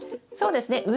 そうですね。